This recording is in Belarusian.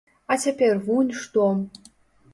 А цяпер вунь што!